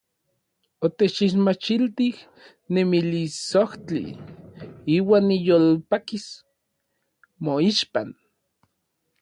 Otechixmachiltij nemilisojtli; iuan niyolpakis moixpan.